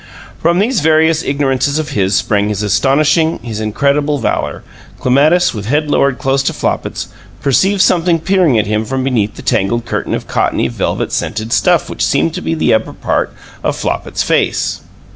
From these various ignorances of his sprang his astonishing, his incredible, valor. Clematis, with head lowered close to Flopit's, perceived something peering at him from beneath the tangled curtain of cottony, violet scented stuff which seemed to be the upper part of Flopit's face.